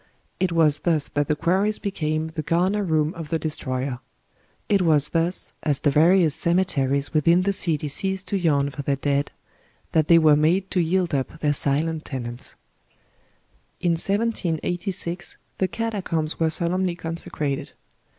It was thus that the quarries became the gamer room of the Destroyer ; it was thus, as the various cemeteries within the city ceased to yawn for their dead, that they were made to yield up their silent tenants. In 1786 the catacombs were solemnly consecrated.